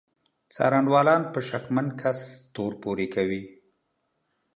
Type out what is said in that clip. څارنوالان په شکمن کس تور پورې کوي.